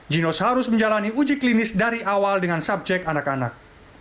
ginos harus menjalani uji klinis dari awal dengan subjek anak anak